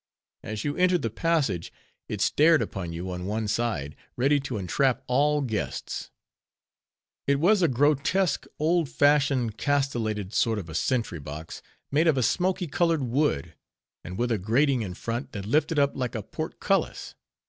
As you entered the passage, it stared upon you on one side, ready to entrap all guests. It was a grotesque, old fashioned, castellated sort of a sentry box, made of a smoky colored wood, and with a grating in front, that lifted up like a portcullis.